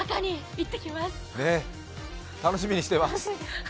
楽しみにしてます。